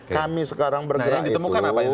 kami sekarang bergerak itu